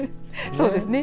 そうですね。